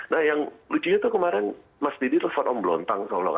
nah yang lucunya tuh kemarin mas didi telfon om blontang